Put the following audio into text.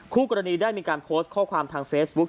คู่กรณีได้มีการโพสต์ข้อความทางเฟซบุ๊ค